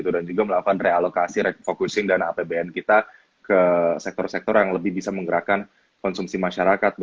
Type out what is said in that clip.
dan juga melakukan re alokasi refocusing dana apbn kita ke sektor sektor yang lebih bisa menggerakkan konsumsi masyarakat